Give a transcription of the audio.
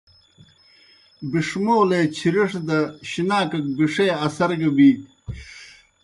بِݜمولے چِھرِݜ دہ شِناکَک بِݜِے اثر گہ بِینیْ۔